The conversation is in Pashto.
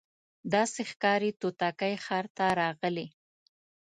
داسي ښکاري توتکۍ ښار ته راغلې